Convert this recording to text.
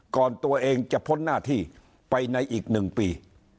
ก่อนตัวเองจะพ้นหน้าที่ไปในอีก๑ปี